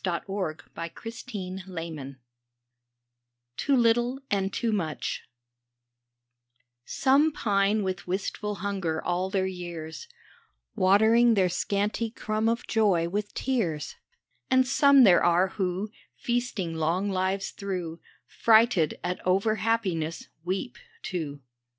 TOO LITTLE AND TOO MUCH 149 TOO LITTLE AND TOO MUCH SOME pine with wistful hunger all their years, Watering their scanty crumb of joy with tears ; And some there are who, feasting long lives through, Frighted at over happiness, weep too.